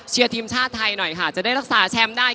ทีมชาติไทยหน่อยค่ะจะได้รักษาแชมป์ได้